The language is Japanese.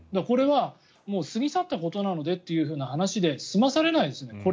これは過ぎ去ったことなのでという話で済まされないですね